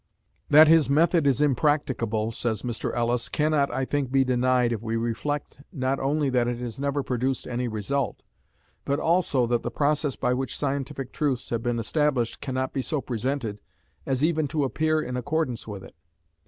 "That his method is impracticable," says Mr. Ellis, "cannot, I think, be denied, if we reflect not only that it never has produced any result, but also that the process by which scientific truths have been established cannot be so presented as even to appear to be in accordance with it.